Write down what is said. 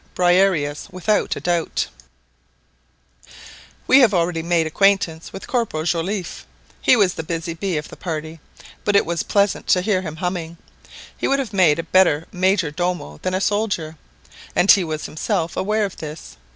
Briareus without a doubt ! We have already made acquaintance with Corporal Joliffe. He was the busy bee of the party, but it was pleasant to hear him humming. He would have made a better major domo than a soldier; and he was himself aware of this.